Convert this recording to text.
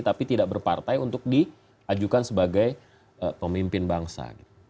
tapi tidak berpartai untuk diajukan sebagai pemimpin bangsa